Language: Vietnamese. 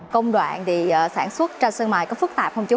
công đoạn thì sản xuất ra sân mài có phức tạp không chú